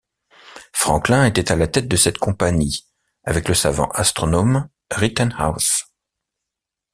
Franklin était à la tête de cette compagnie, avec le savant astronome Rittenhouse.